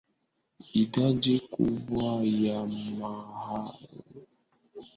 idadi kubwa ya mawakili wasomi wanapendekeza watuhumiwa wahukumiwe kwa haki